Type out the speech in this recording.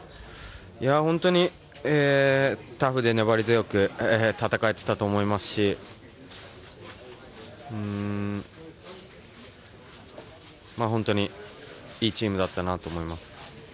本当にタフで粘り強く戦えていたと思いますし本当にいいチームだったなと思います。